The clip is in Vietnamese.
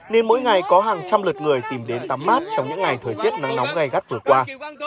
nên mỗi ngày có hàng trăm lượt người tìm đến tắm mát trong những ngày thời tiết nắng nóng gai gắt vừa qua